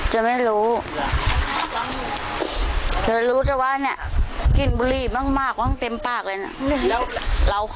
เหรอแบบแท้แล้วเดี๋ยวเราก็ขอไปใหม่